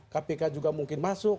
kpk juga mungkin masuk